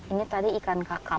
ini tadi ikan kakap